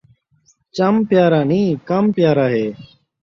چم پیارا نئیں ، کم پیارا ہے